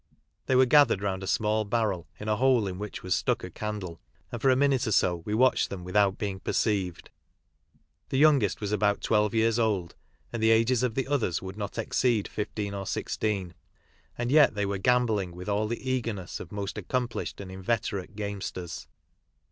They were gathered' round a small barrel, in a hole in which was stuck a candle, and for a minute or so we watched them without being perceived. The youngest was about twelve years old, and the ages of the others would not exceed fifteen or sixteen, and yet they were gambling with all the eagerness of most accomplished and invete rate gamesters.